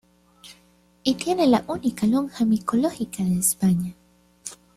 Y tiene la única lonja micológica de España.